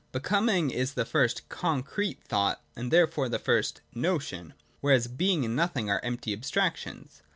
Becoming is the first concrete thought, and therefore the first notion : whereas Being and Nought are empty abstrac tions.